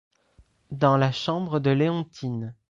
dans la chambre de Léontine.